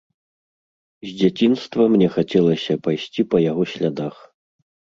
З дзяцінства мне хацелася пайсці па яго слядах.